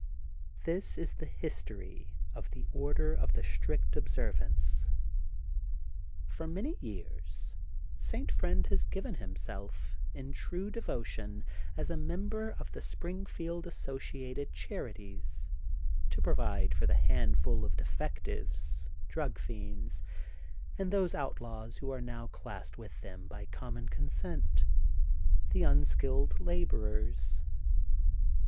This is the history "of The Order of The Strict Observance: — For many years St. Friend has given himself, in true devotion, as a member of the Springfield Associated Chari ties, to provide for the handfuj of defectives, drug fiends, and those outlaws who are now classed with them by common consent: — ^the unskilled laborers.